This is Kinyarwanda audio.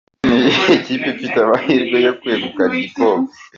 Ese ni iyihe kipe ifite amahirwe yo kwegukana igikombe ?.